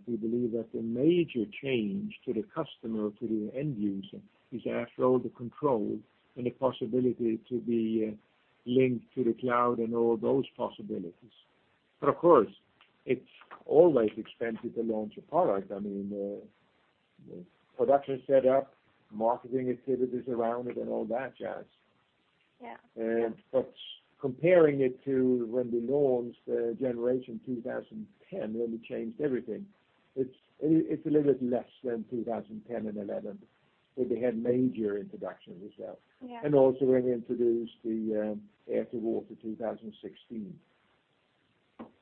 We believe that the major change to the customer, to the end user, is after all the control and the possibility to be linked to the cloud and all those possibilities. Of course, it's always expensive to launch a product. I mean, the production setup, marketing activities around it, and all that jazz. Yeah. Comparing it to when we launched generation 2010, when we changed everything, it's a little bit less than 2010 and 2011, where we had major introductions of shelves. Yeah. Also when we introduced the air to water 2016.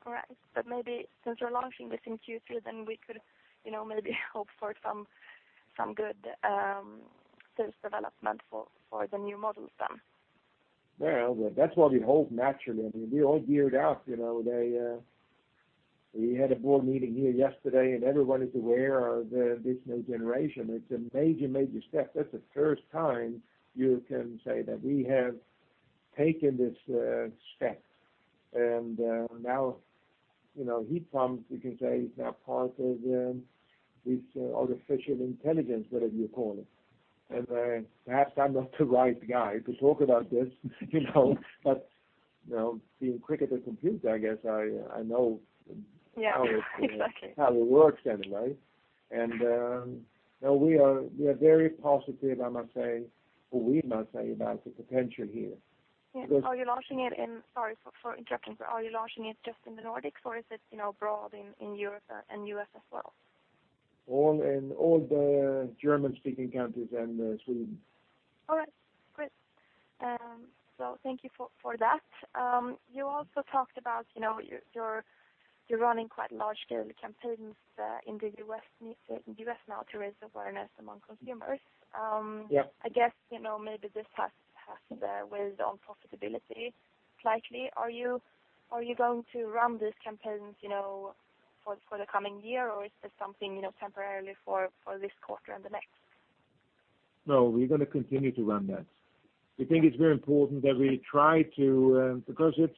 All right. Maybe since you're launching this in Q3, we could maybe hope for some good sales development for the new models then. Well, that's what we hope naturally. We are all geared up. We had a board meeting here yesterday. Everyone is aware of the digital generation. It's a major step. That's the first time you can say that we have taken this step. Now heat pumps, we can say, is now part of this artificial intelligence, whatever you call it. Perhaps I'm not the right guy to talk about this, but being quicker to compute. Yeah, exactly. how it works anyway. We are very positive, I must say, or we must say, about the potential here. Yeah. Sorry for interrupting. Are you launching it just in the Nordics, or is it abroad in Europe and U.S. as well? All in all the German-speaking countries and Sweden. All right, great. Thank you for that. You also talked about you're running quite large-scale campaigns in the U.S. now to raise awareness among consumers. Yes. I guess, maybe this has weighed on profitability slightly. Are you going to run these campaigns for the coming year, or is this something temporarily for this quarter and the next? We're going to continue to run that. We think it's very important that we try to, because it's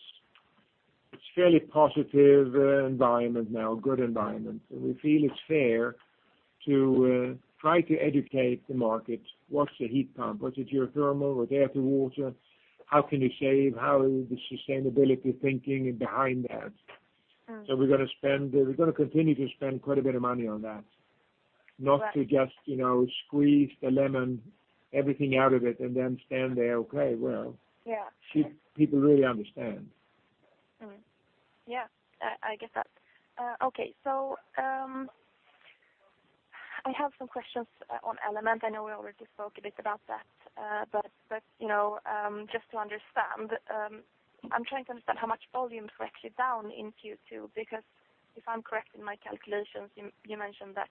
fairly positive environment now, good environment. We feel it's fair to try to educate the market. What's a heat pump? What's a geothermal? What's air to water? How can you save? How is the sustainability thinking behind that? We're going to continue to spend quite a bit of money on that. Right. Not to just squeeze the lemon, everything out of it, and then stand there, okay, well. Yeah. People really understand. Mm-hmm. Yeah. I get that. Okay. I have some questions on Element. I know we already spoke a bit about that. Just to understand, I'm trying to understand how much volumes were actually down in Q2, because if I'm correct in my calculations, you mentioned that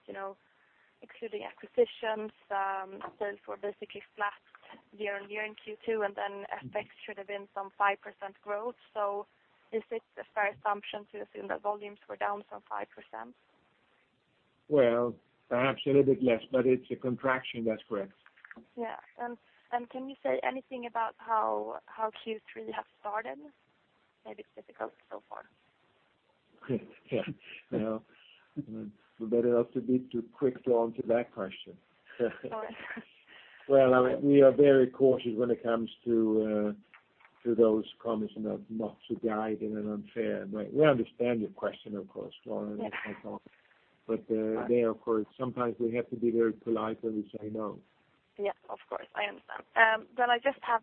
excluding acquisitions, sales were basically flat year-on-year in Q2, and then FX should have been some 5% growth. Is it a fair assumption to assume that volumes were down some 5%? Perhaps a little bit less, but it's a contraction. That's correct. Yeah. Can you say anything about how Q3 has started? Maybe it's difficult so far. Yeah. We better not to be too quick to answer that question. Sorry. Well, we are very cautious when it comes to those comments, not to guide in an unfair way. We understand your question, of course, Clara, and so on. Yeah. There, of course, sometimes we have to be very polite and say no. Yeah. Of course, I understand. I just have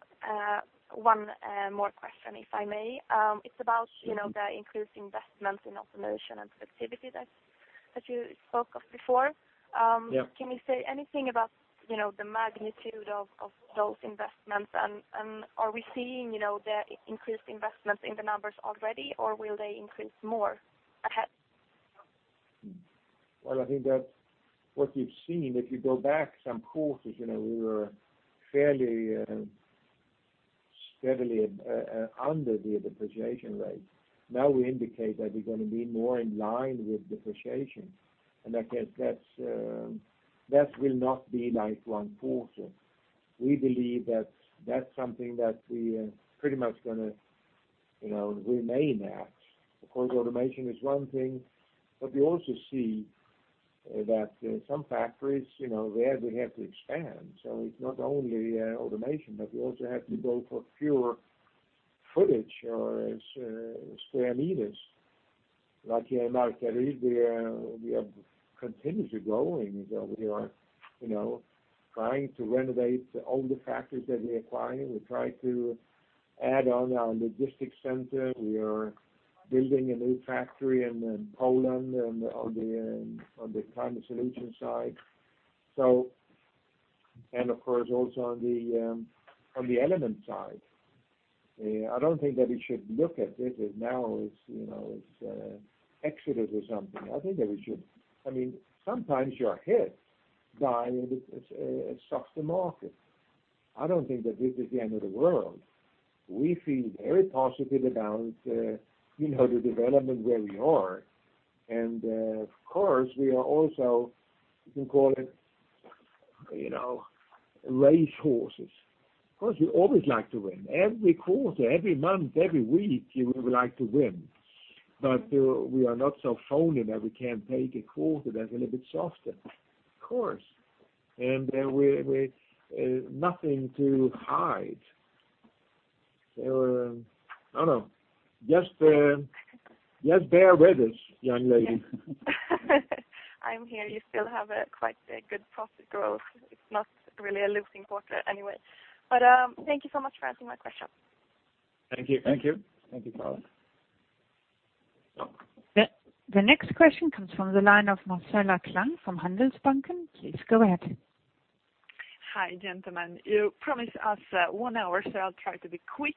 one more question, if I may. It's about the increased investment in automation and productivity that you spoke of before. Yeah. Can you say anything about the magnitude of those investments, and are we seeing the increased investments in the numbers already, or will they increase more ahead? Well, I think that what you've seen, if you go back some quarters, we were fairly steadily under the depreciation rate. Now we indicate that we're going to be more in line with depreciation. I guess that will not be like one quarter. We believe that's something that we pretty much going to remain at. Of course, automation is one thing, but we also see that some factories, there we have to expand. It's not only automation, but we also have to go for fewer footage or square meters. Like here in Markaryd, we are continuously growing. We are trying to renovate all the factories that we're acquiring. We're trying to add on our logistic center. We are building a new factory in Poland on the climate solution side. Of course, also on the Element side. I don't think that we should look at it as now it's exodus or something. I mean, sometimes you are hit by the stock market. I don't think that this is the end of the world. We feel very positive about the development where we are. Of course, we are also, you can call it, race horses. Of course, we always like to win. Every quarter, every month, every week, we would like to win. We are not so phony that we can't take a quarter that's a little bit softer. Of course. We've nothing to hide. I don't know. Just bear with us, young lady. I'm here. You still have a quite good profit growth. It's not really a losing quarter anyway. Thank you so much for answering my question. Thank you. Thank you. Thank you, Lauren. The next question comes from the line of Marcela Klang from Handelsbanken. Please go ahead. Hi, gentlemen. You promised us one hour, so I'll try to be quick.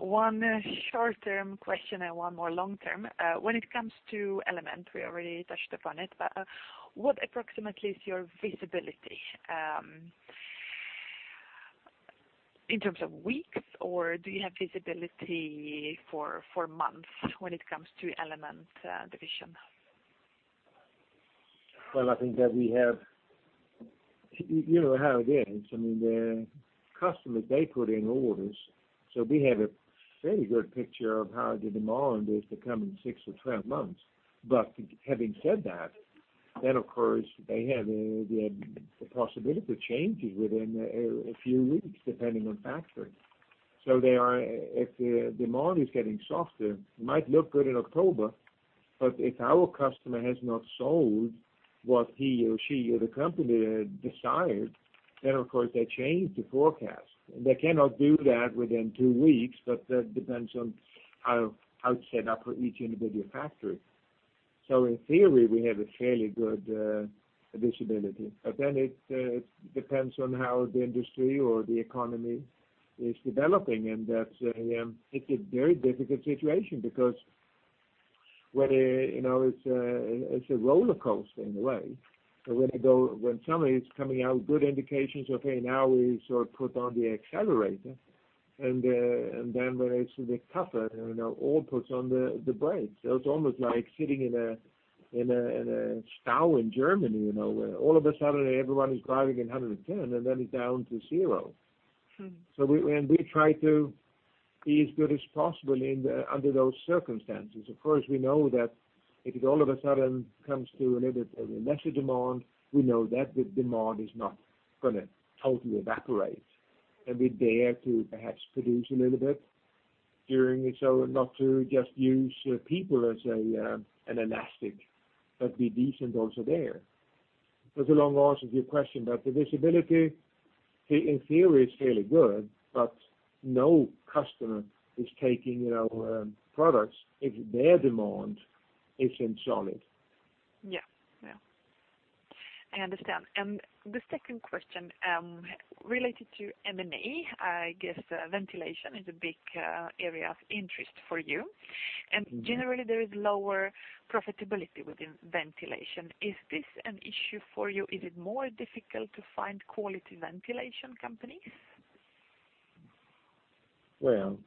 One short-term question and one more long-term. When it comes to NIBE Element, we already touched upon it, but what approximately is your visibility in terms of weeks, or do you have visibility for months when it comes to NIBE Element division? Well, you know how it is. The customers put in orders, so we have a fairly good picture of how the demand is to come in 6 or 12 months. Having said that, then of course, they have the possibility of changes within a few weeks, depending on the factory. If the demand is getting softer, it might look good in October, but if our customer has not sold what he or she or the company desired, then of course they change the forecast. They cannot do that within two weeks, but that depends on how it's set up for each individual factory. In theory, we have a fairly good visibility. Then it depends on how the industry or the economy is developing, and it's a very difficult situation because it's a roller coaster in a way. When somebody is coming out with good indications, okay, now we sort of put on the accelerator, and then when it's a bit tougher, all put on the brakes. It's almost like sitting in a Stau in Germany, where all of a sudden everyone is driving 110 and then it's down to 0. We try to be as good as possible under those circumstances. Of course, we know that if it all of a sudden comes to a little bit lesser demand, we know that the demand is not going to totally evaporate, and we dare to perhaps produce a little bit during it, so not to just use people as an elastic, but be decent also there. Does it almost answer your question? The visibility, in theory, is fairly good, but no customer is taking our products if their demand isn't solid. Yeah. I understand. The second question, related to M&A, I guess ventilation is a big area of interest for you. Generally, there is lower profitability within ventilation. Is this an issue for you? Is it more difficult to find quality ventilation companies? Well,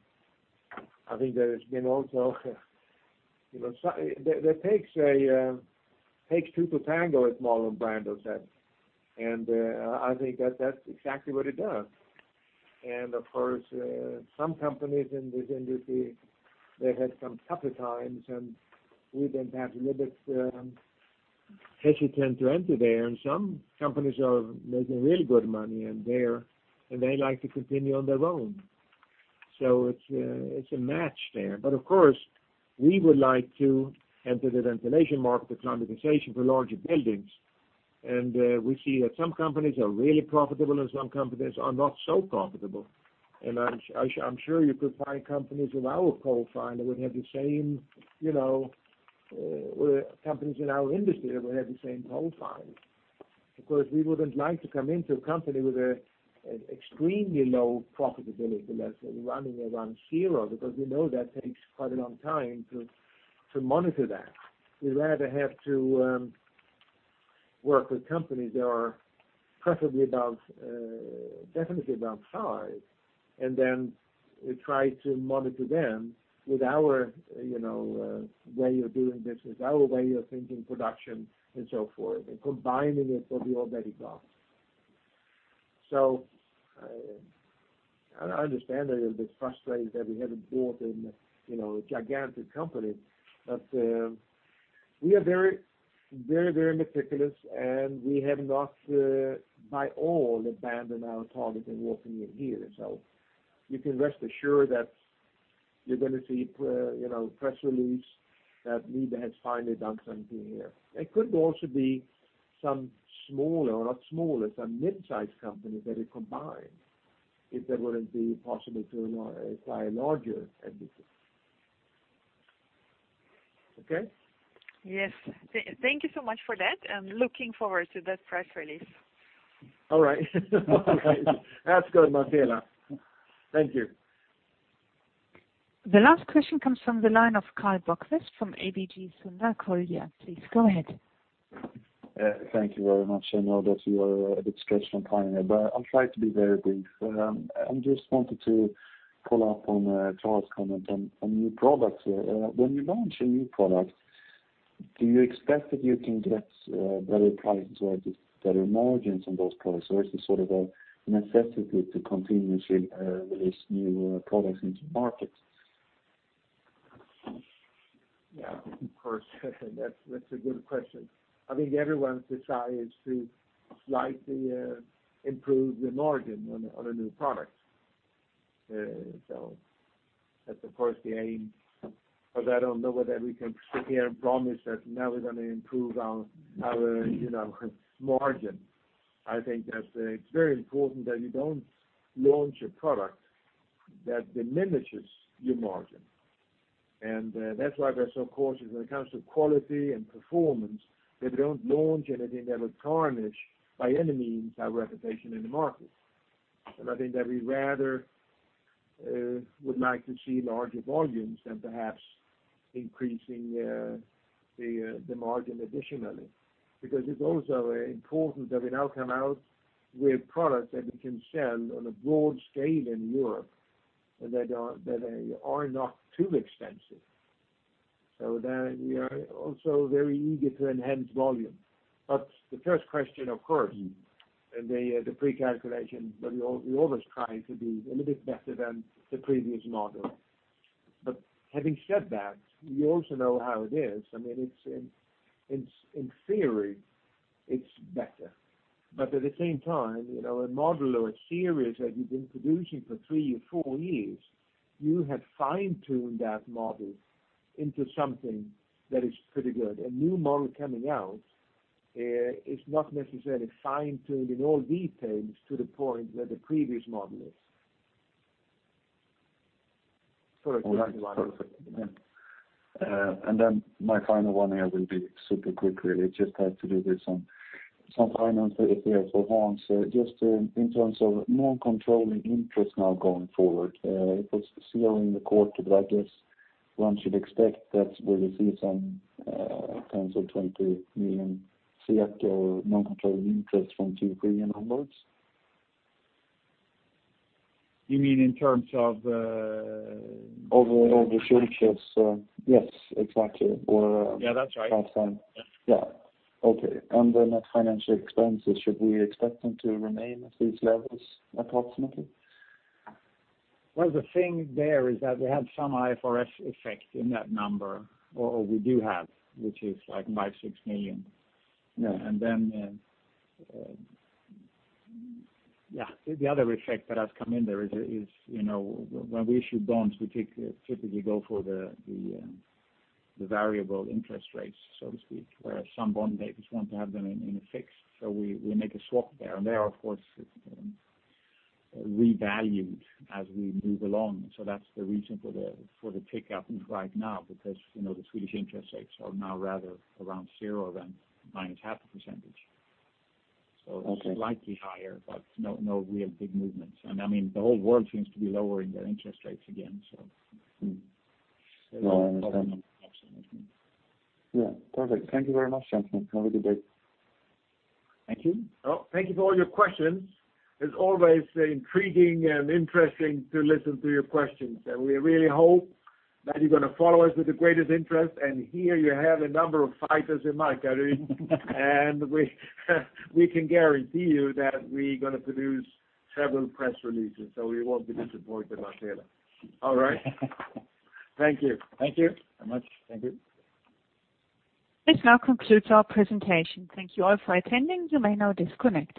I think that it takes two to tango, as Marlon Brando said, and I think that's exactly what it does. Of course, some companies in this industry, they had some tougher times, and we then got a little bit hesitant to enter there. Some companies are making really good money and they like to continue on their own. It's a match there. Of course, we would like to enter the ventilation market for climatization for larger buildings. We see that some companies are really profitable and some companies are not so profitable. I'm sure you could find companies in our coal mine that would have the same, companies in our industry that would have the same coal mine. Of course, we wouldn't like to come into a company with extremely low profitability, let's say running around zero, because we know that takes quite a long time to monitor that. We'd rather have to work with companies that are definitely above five, and then we try to monitor them with our way of doing business, our way of thinking production and so forth, and combining it what we already got. I understand that it is a bit frustrating that we haven't bought a gigantic company, but we are very meticulous, and we have not by all abandoned our target in working in here. You can rest assured that you're going to see press release that NIBE has finally done something here. It could also be some smaller, not smaller, some mid-size company that we combine if that wouldn't be possible to acquire a larger entity. Okay? Yes. Thank you so much for that, and looking forward to that press release. All right. Okay. That's good, Marcela. Thank you. The last question comes from the line of Karl Bokvist from ABG Sundal Collier. Please go ahead. Thank you very much. I know that you are a bit stretched on time here, but I'll try to be very brief. I just wanted to follow up on Ccomment on new products. When you launch a new product, do you expect that you can get better margins on those products, or is this sort of a necessity to continuously release new products into markets? Yeah, of course. That's a good question. I think everyone's desire is to slightly improve the margin on a new product. That's of course the aim. I don't know whether we can sit here and promise that now we're going to improve our margin. I think that it's very important that you don't launch a product that diminishes your margin. That's why we are so cautious when it comes to quality and performance, that we don't launch anything that would tarnish, by any means, our reputation in the market. I think that we rather would like to see larger volumes than perhaps increasing the margin additionally. It's also important that we now come out with products that we can sell on a broad scale in Europe, and that they are not too expensive. We are also very eager to enhance volume. The first question, of course, and the pre-calculation, but we're always trying to be a little bit better than the previous model. Having said that, you also know how it is. I mean, in theory it's better. At the same time, a model or a series that you've been producing for three or four years, you have fine-tuned that model into something that is pretty good. A new model coming out is not necessarily fine-tuned in all details to the point where the previous model is. Exactly. Then my final one here will be super quick really. It just has to do with some finance here for Hans. Just in terms of non-controlling interest now going forward, it was zero in the quarter, but I guess one should expect that we will see some tens of 20 million or non-controlling interest from Q3 and onwards? You mean in terms of- Overall the share shifts. Yes, exactly. Yeah, that's right. half time. Yeah. Okay. At financial expenses, should we expect them to remain at these levels approximately? Well, the thing there is that we have some IFRS effect in that number, or we do have, which is like 5 million, 6 million. Yeah. The other effect that has come in there is when we issue bonds, we typically go for the variable interest rates, so to speak, whereas some bond makers want to have them in a fixed. We make a swap there, and there, of course, it's revalued as we move along. That's the reason for the pickup right now because the Swedish interest rates are now rather around zero than minus half a %. Okay. Slightly higher, but no real big movements. I mean, the whole world seems to be lowering their interest rates again, so. No, I understand. Yeah, perfect. Thank you very much, gentlemen. Have a good day. Thank you. Thank you for all your questions. It's always intriguing and interesting to listen to your questions, and we really hope that you're going to follow us with the greatest interest. Here you have a number of fighters in my category, and we can guarantee you that we're going to produce several press releases, so you won't be disappointed about that. All right. Thank you. Thank you very much. Thank you. This now concludes our presentation. Thank you all for attending. You may now disconnect.